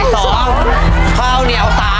ชุดที่๔ข้าวเหนียว๒ห้อชุดที่๔